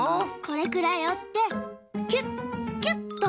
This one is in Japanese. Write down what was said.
これくらいおってキュッキュッと。